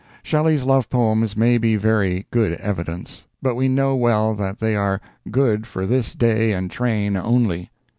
Shelley's love poems may be very good evidence, but we know well that they are "good for this day and train only."